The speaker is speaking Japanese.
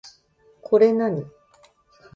これ何